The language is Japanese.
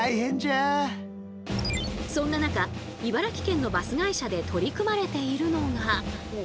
そんな中茨城県のバス会社で取り組まれているのが。